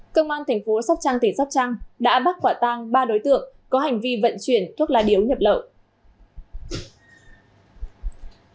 công an thành phố sóc trăng tỉnh sóc trăng đã bắt quả tang ba đối tượng có hành vi vận chuyển thuốc lá điếu nhập lậu